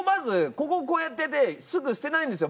こここうやってすぐ捨てないんですよ